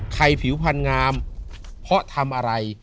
ผิวพันธ์งามเพราะทำอะไร